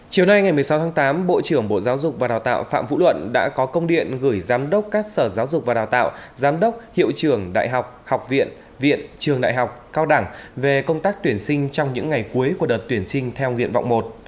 chiều nay ngày một mươi sáu tháng tám bộ trưởng bộ giáo dục và đào tạo phạm vũ luận đã có công điện gửi giám đốc các sở giáo dục và đào tạo giám đốc hiệu trưởng đại học học viện viện trường đại học cao đẳng về công tác tuyển sinh trong những ngày cuối của đợt tuyển sinh theo nguyện vọng một